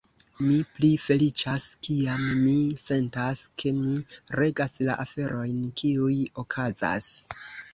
Mi pli feliĉas, kiam mi sentas ke mi regas la aferojn, kiuj okazas.